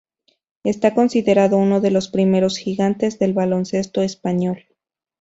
Está considerado uno de los primeros "gigantes" del baloncesto español.